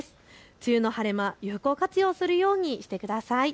梅雨の晴れ間、有効活用するようにしてください。